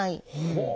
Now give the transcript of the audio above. ほう。